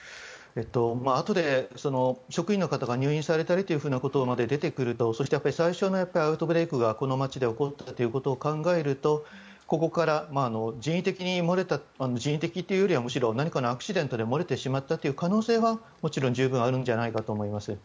あとで職員の方が入院されたりということまで出てくるとそしてやっぱり最初のアウトブレークがこの町で起こったことを考えるとここから人為的というよりは何かのアクシデントで漏れてしまった可能性はもちろん十分あると思います。